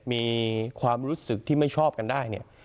มีความรู้สึกที่ไม่ชอบกันได้เนี่ย